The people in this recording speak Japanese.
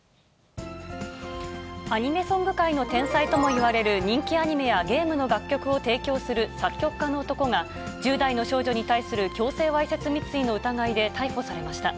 アニメソング界の天才ともいわれる人気アニメやゲームの楽曲を提供する作曲家の男が、１０代の少女に対する強制わいせつ未遂の疑いで逮捕されました。